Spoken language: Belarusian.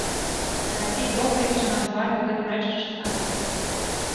Карацей, доўга яшчэ нам з вамі ў гэтым рэчышчы знаходзіцца!